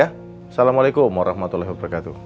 assalamualaikum warahmatullahi wabarakatuh